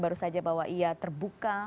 baru saja bahwa ia terbuka